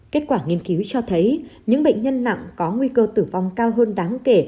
kết quả nghiên cứu cho thấy những bệnh nhân nặng có nguy cơ tử vong cao hơn đáng kể